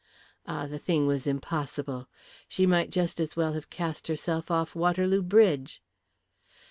Ah, the thing was impossible. She might just as well have cast herself off Waterloo Bridge.